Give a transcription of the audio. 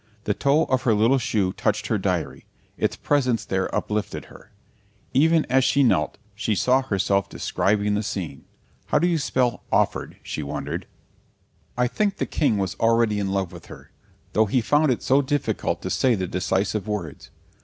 The toe of her little shoe touched her diary; its presence there uplifted her. Even as she knelt she saw herself describing the scene. How do you spell "offered"? she wondered. I think the King was already in love with her, though he found it so difficult to say the decisive words.